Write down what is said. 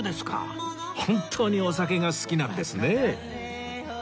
本当にお酒が好きなんですね